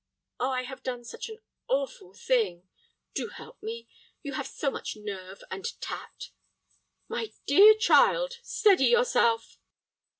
"Oh, I have done such an awful thing. Do help me. You have so much nerve and tact." "My dear child, steady yourself."